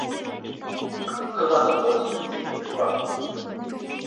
赫巴德模型的基本出发点。